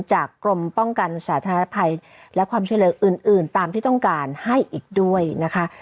กรมป้องกันสาธารณภัยและความช่วยเหลืออื่นตามที่ต้องการให้อีกด้วยนะคะ